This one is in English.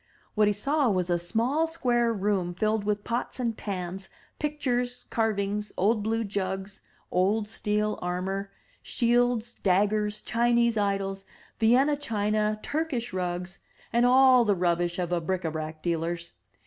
What he saw was a small square room filled with pots and pans, pictures, carvings, old blue jugs, old steel armor, shields, daggers, Chinese idols, Vienna china, Turkish rugs and all the rubbish of a bric a brac dealer's.